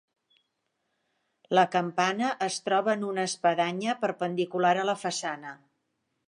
La campana es troba en una espadanya perpendicular a la façana.